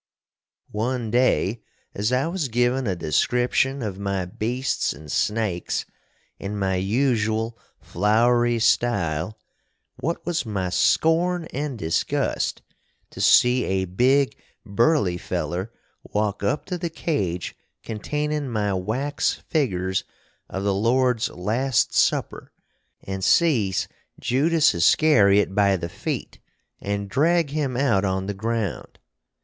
1 day as I was givin a descripshun of my Beests and Snaiks in my usual flowry stile, what was my skorn & disgust to see a big burly feller walk up to the cage containin my wax figgers of the Lord's Last Supper, and cease Judas Iscariot by the feet and drag him out on the ground.